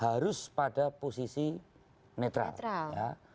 harus pada posisi netral